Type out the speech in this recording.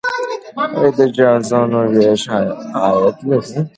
د جوازونو ویش عاید لري